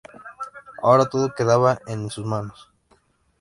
Ahora todo quedaba en sus manos.